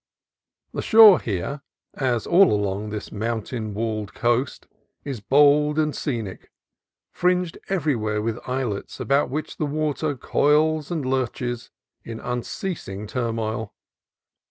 The shore here, as all along this mountain walled coast, is bold and scenic, fringed everywhere with islets about which the water coils and lurches in un ceasing turmoil.